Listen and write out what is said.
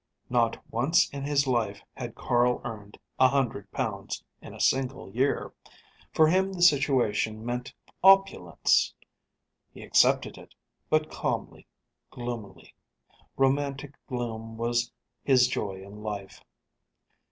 Not once in his life had Carl earned a hundred pounds in a single year. For him the situation meant opulence. He accepted it, but calmly, gloomily. Romantic gloom was his joy in life.